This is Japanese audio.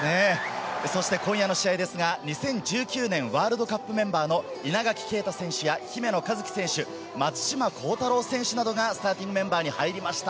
そして今夜の試合ですが、２０１９年ワールドカップメンバーの稲垣啓太選手や姫野和樹選手、松島幸太朗選手などが、スターティングメンバーに入りました。